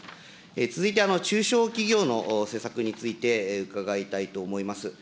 続いて、中小企業の施策について、伺いたいと思います。